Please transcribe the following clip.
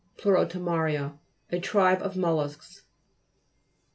PLEUROTOMA'RIA A tribe of mol lusks.